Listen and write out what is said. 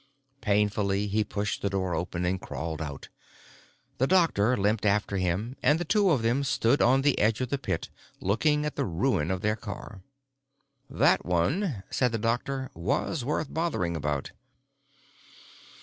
Painfully he pushed the door open and crawled out. The doctor limped after and the two of them stood on the edge of the pit, looking at the ruin of their car. "That one," said the doctor, "was worth bothering about."